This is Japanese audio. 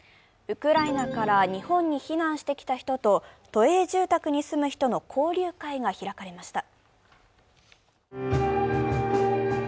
ウクライナから日本に避難してきた人と都営住宅に住む人の交流会が開かれました。